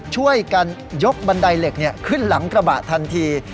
ช่วยกันยกบันไดเหล็กขึ้นหลังกระบะทันที